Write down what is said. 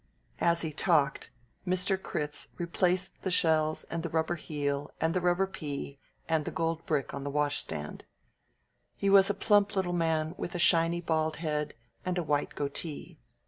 As he talked, Mr. Critz replaced the shells and the rubber heel and the rubber pea and the gold brick on the washstand. He was a plump little man with a shiny bald head and a white goatee.